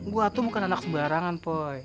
gue tuh bukan anak sembarangan poi